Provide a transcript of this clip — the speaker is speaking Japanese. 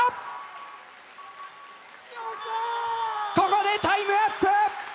ここでタイムアップ！